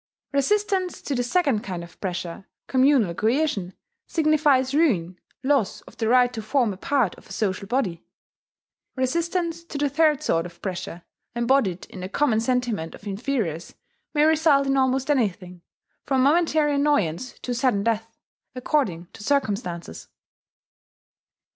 Resistance to the second kind of pressure communal coercion signifies ruin, loss of the right to form a part of the social body. Resistance to the third sort of pressure, embodied in the common sentiment of inferiors, may result in almost anything, from momentary annoyance to sudden death, according to circumstances.